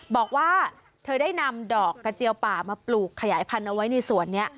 บอกว่าเธอได้นำดอกกระเจียวป่ามาปลูกขยายพันธุ์เอาไว้ในสวนนี้